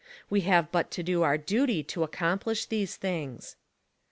We have but to do our duty 'to accomplish these things.